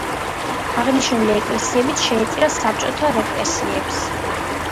აღნიშნული ეკლესიებიც შეეწირა საბჭოთა რეპრესიებს.